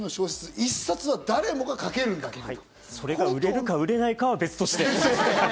一冊は誰もが書けるん売れるか売れないかは別として。